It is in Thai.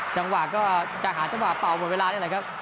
จังหวะก็จะหาจังหวะเปร่าเวลาไหมครับ